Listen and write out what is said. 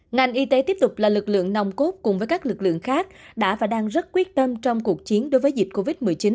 ngành y tế tiếp tục là lực lượng nòng cốt cùng với các lực lượng khác đã và đang rất quyết tâm trong cuộc chiến đối với dịch covid một mươi chín